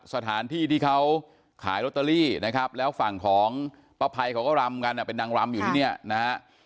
สถานที่ที่เขาขายลอตเตอรี่นะครับแล้วฝั่งของป้าภัยเขาก็รำกันเป็นนางรำอยู่ที่เนี่ยนะฮะ